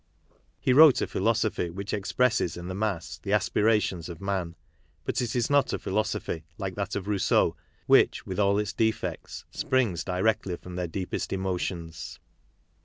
He wrote a philosophy which expresses in the mass the aspirations of men ; but it is not a philosophy, like that of Rousseau, which, with all its defects, springs directly from their deepest emotions.